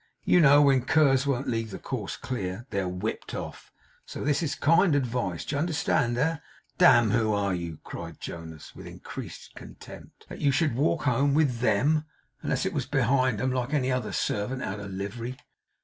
You know, when curs won't leave the course clear, they're whipped off; so this is kind advice. Do you understand? Eh? Damme, who are you,' cried Jonas, with increased contempt, 'that you should walk home with THEM, unless it was behind 'em, like any other servant out of livery?